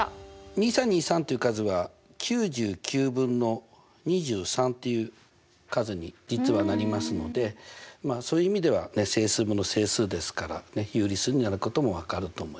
２３２３っていう数はっていう数に実はなりますのでそういう意味では整数分の整数ですから有理数になることも分かると思いますね。